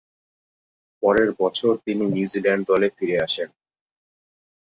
পরের বছর তিনি নিউজিল্যান্ড দলে ফিরে আসেন।